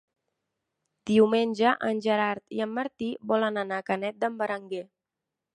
Diumenge en Gerard i en Martí volen anar a Canet d'en Berenguer.